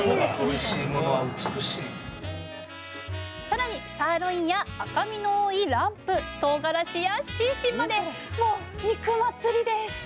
更にサーロインや赤身の多いランプとうがらしやしんしんまでもう肉祭りです！